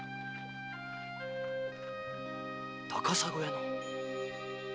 高砂屋の！